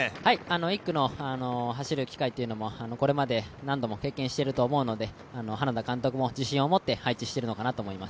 １区の走る機会というのも、これまで何度も経験していると思うので花田監督も自信を持って配置しているのかなと思います。